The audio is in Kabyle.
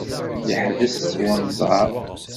Yeḥbes unẓar.